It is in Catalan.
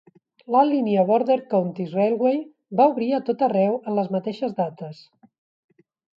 La línia Border Counties Railway va obrir a tot arreu en les mateixes dates.